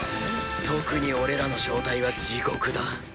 特に俺らの小隊は地獄だ。